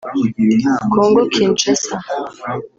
Congo Kinshasa